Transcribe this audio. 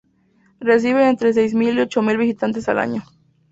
Reciben entre seis mil y ocho mil visitantes al año.